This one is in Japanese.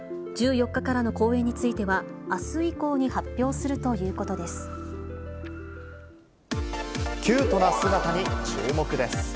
１４日からの公演については、あす以降に発表するということです。